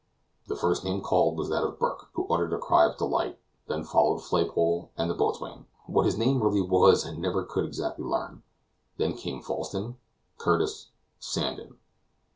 The first name called was that of Burke, who uttered a cry of delight; then followed Flaypole and the boatswain. What his name really was I never could exactly learn. Then came Falsten, Curtis, Sandon.